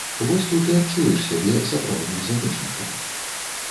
Вось тут і адчуеш сябе сапраўдным замежнікам.